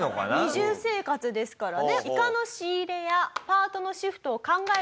二重生活ですからね。